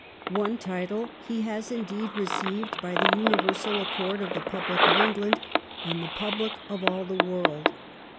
One title he has indeed received by the universal accord of the public of England and the public of all the world.